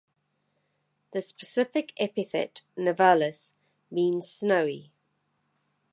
The specific epithet ("nivalis") means "snowy".